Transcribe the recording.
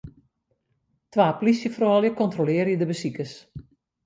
Twa plysjefroulju kontrolearje de besikers.